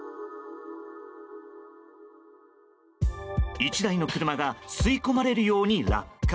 １台の車が吸い込まれるように落下。